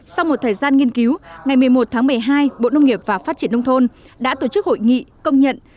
sau một thời gian nghiên cứu ngày một mươi một tháng một mươi hai bộ nông nghiệp và phát triển nông thôn đã tổ chức hội nghị công nhận